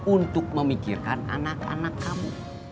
untuk memikirkan anak anak kamu